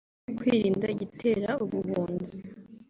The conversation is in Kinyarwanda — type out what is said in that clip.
kwirinda igitera ubuhunzi